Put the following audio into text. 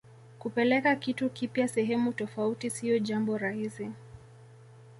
kupeleka kitu kipya sehemu tofauti siyo jambo rahisi